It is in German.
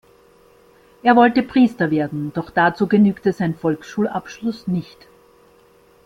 Er wollte Priester werden, doch dazu genügte sein Volksschulabschluss nicht.